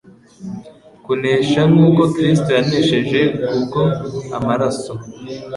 kunesha nk’uko Kristo yanesheje, kubwo amaraso